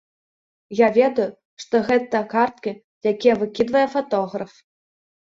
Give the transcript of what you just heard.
Я ведаю, што гэта карткі, якія выкідвае фатограф.